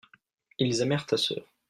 ils aimèrent ta sœur.